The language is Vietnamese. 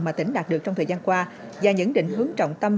mà tỉnh đạt được trong thời gian qua và những định hướng trọng tâm